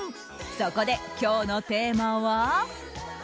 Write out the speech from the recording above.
そこで今日のテーマは。